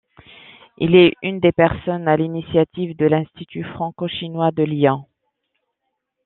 Il est une des personnes à l'initiative de l'Institut franco-chinois de Lyon.